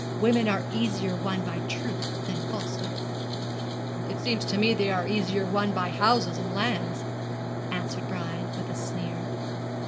Women are easier won by truth than falsehood.' 'It seems to me they are easier won by houses and lands,' answered Brian, with a sneer.